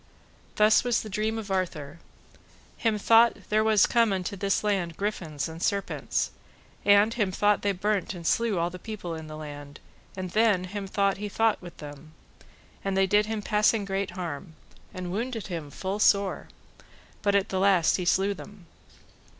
Thus was the dream of Arthur: Him thought there was come into this land griffins and serpents, and him thought they burnt and slew all the people in the land, and then him thought he fought with them, and they did him passing great harm, and wounded him full sore, but at the last he slew them.